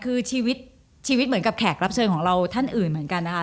คือชีวิตชีวิตเหมือนกับแขกรับเชิญของเราท่านอื่นเหมือนกันนะคะ